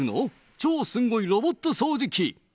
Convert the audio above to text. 超すんごいロボット掃除機。